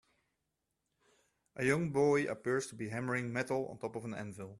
A young boy appears to be hammering metal on top of an anvil.